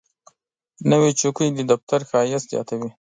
نوې چوکۍ د دفتر ښایست زیاتوي